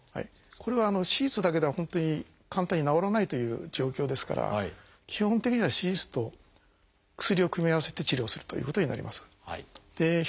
これは手術だけでは本当に簡単に治らないという状況ですから基本的には手術と薬を組み合わせて治療するということになります。